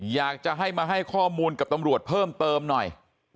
อยากจะให้มาให้ข้อมูลกับตำรวจเพิ่มเติมหน่อย